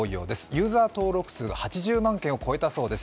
ユーザー登録数８０万件を超えたそうです。